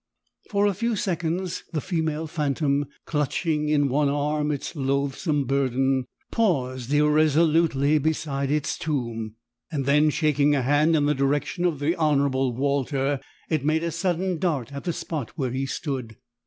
For a few seconds the female phantom, clutching in one arm its loathsome burden, paused irresolutely beside its tomb and then, shaking a hand in the direction of the Honourable Walter, it made a sudden dart at the spot where he stood.